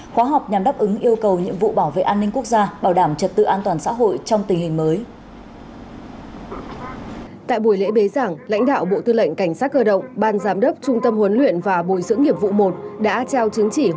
khóa học nhằm đáp ứng yêu cầu nhiệm vụ bảo vệ an ninh quốc gia bảo đảm trật tự an toàn xã hội trong tình hình mới